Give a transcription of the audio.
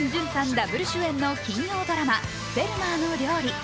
ダブル主演の金曜ドラマ「フェルマーの料理」。